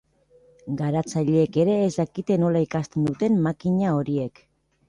Garatzaileek ere ez dakite nola ikasten duten makina horiek.